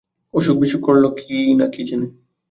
অসুখবিসুখ করল কি না কে জানে?